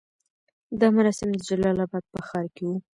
دا مراسم د جلال اباد په ښار کې وو.